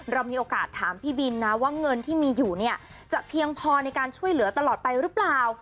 เรามีโอกาสถามพี่บินนะว่าเงินที่มีอยู่เนี่ยจะเพียงพอในการช่วยเหลือตลอดไปหรือเปล่า